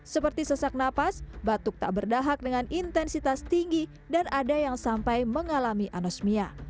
seperti sesak napas batuk tak berdahak dengan intensitas tinggi dan ada yang sampai mengalami anosmia